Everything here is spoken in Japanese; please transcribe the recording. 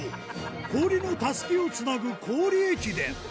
氷のたすきをつなぐ氷駅伝。